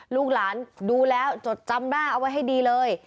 ลูกหลานดูแล้วจดจำหน้าเอาไว้ให้ดีเลย